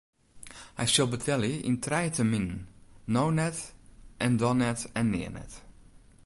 Hy sil betelje yn trije terminen: no net en dan net en nea net.